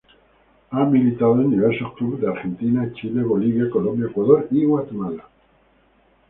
Ha militado en diversos clubes de Argentina, Chile, Bolivia, Colombia, Ecuador y Guatemala.